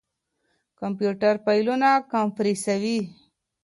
کمپيوټر فايلونه کمپريسوي.